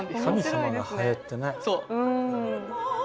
神様がハエってね。